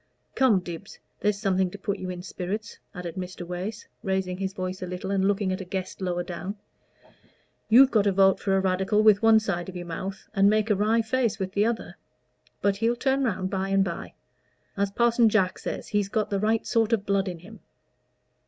Come, Dibbs, there's something to put you in spirits," added Mr. Wace, raising his voice a little and looking at a guest lower down. "You've got to vote for a Radical with one side of your mouth, and make a wry face with the other; but he'll turn round by and by. As Parson Jack says, he's got the right sort of blood in him."